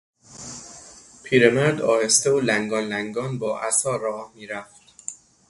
پیرمرد آهسته و لنگان لنگان با عصا راه میرفت.